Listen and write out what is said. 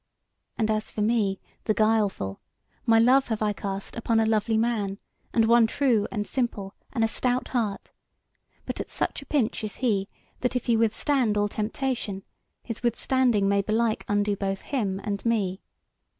And as for me, the guileful, my love have I cast upon a lovely man, and one true and simple, and a stout heart; but at such a pinch is he, that if he withstand all temptation, his withstanding may belike undo both him and me.